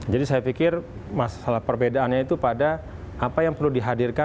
jadi saya pikir masalah perbedaannya itu pada apa yang perlu dihadirkan